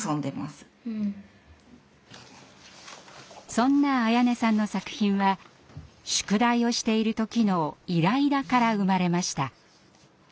そんな彩音さんの作品は宿題をしている時のイライラから生まれました。